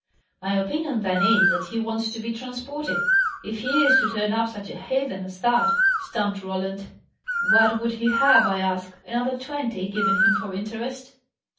"My opinion then, is, that he wants to be transported, if he is to turn up such a heathen as that!" stamped Roland. "What would he have, I ask? Another twenty, given him for interest?